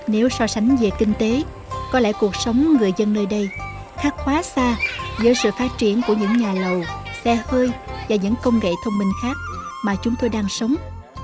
nếu so sánh về kinh tế có lẽ cuộc sống người dân nơi đây khác quá xa giữa sự phát triển của những nhà lầu xe hơi và những công nghệ thông minh khác mà chúng tôi đang sống